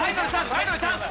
アイドルチャンス。